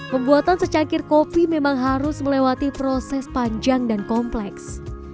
pembuatan secangkir kopi memang harus melewati proses panjang dan kompleks